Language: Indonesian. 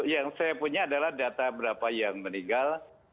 yang saya punya adalah data berapa yang meninggal